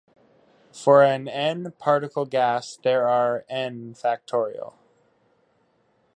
For an "N"-particle gas, there are "N!